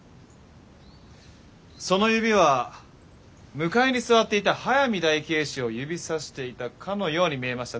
その指は向かいに座っていた速水大警視を指さしていたかのように見えました。